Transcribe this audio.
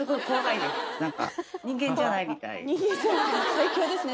最強ですね